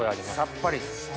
さっぱりです。